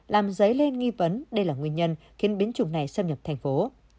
làm dấy lên nghi vấn đây là nguyên nhân khiến biến chủng này xâm nhập thành phố